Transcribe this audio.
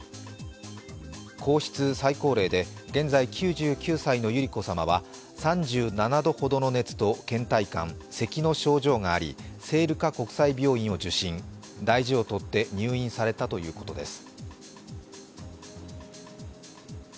皇室最高齢で現在９９歳の百合子さまは３７度ほどの発熱と、けん怠感、せきの症状があり聖路加国際病院を受診大事をとって入院されたということです。